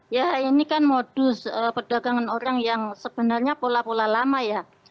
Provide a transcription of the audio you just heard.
ya ini kan modus perdagangan orang yang sebenarnya pola pola lama ya